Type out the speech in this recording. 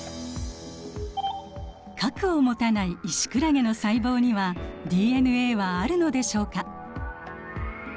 核を持たないイシクラゲの細胞にはＤＮＡはあるのでしょうか？